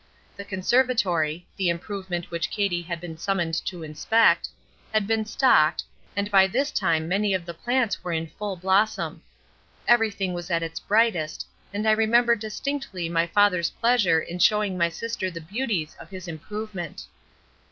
The conservatory—the "improvement" which Katie had been summoned to inspect—had been stocked, and by this time many of the plants were in full blossom. Everything was at its brightest and I remember distinctly my father's pleasure in showing my sister the beauties of his "improvement."